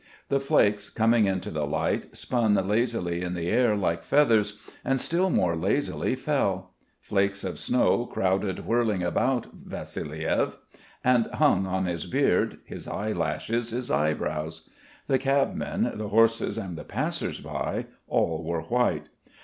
The flakes, coming into the light, spun lazily in the air like feathers, and still more lazily fell. Flakes of snow crowded whirling about Vassiliev, and hung on his beard, his eyelashes, his eyebrows. The cabmen, the horses, and the passers by, all were white.